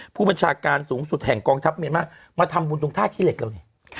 ผู้บัญชาการสูงสุดแห่งกองทัพเมียนมาร์มาทำบุญตรงท่าขี้เหล็กเรานี่